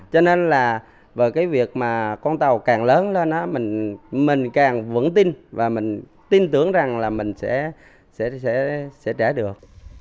cho nên là với cái việc mà con tàu càng lớn lên đó mình càng vững tin và mình tin tưởng rằng là mình sẽ trả được